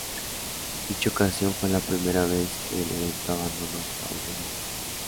Dicha ocasión fue la primera vez que el evento abandono Estados Unidos.